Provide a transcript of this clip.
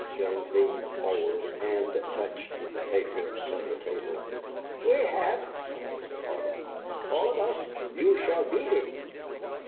Joe leaned forward and touched the paper upon the table. "We hef," replied Mr. Farbach. "All of us. You shall beat it."